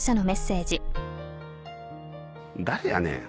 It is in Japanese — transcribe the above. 誰やねん？